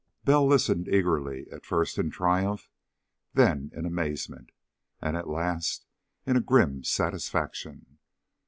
Bell listened eagerly, at first in triumph, then in amazement, and at last in a grim satisfaction.